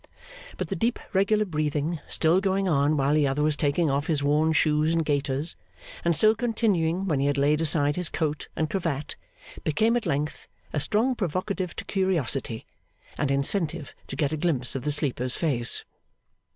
But the deep regular breathing, still going on while the other was taking off his worn shoes and gaiters, and still continuing when he had laid aside his coat and cravat, became at length a strong provocative to curiosity, and incentive to get a glimpse of the sleeper's face.